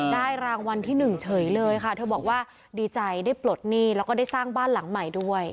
รางวัลที่๑เฉยเลยค่ะเธอบอกว่าดีใจได้ปลดหนี้แล้วก็ได้สร้างบ้านหลังใหม่ด้วย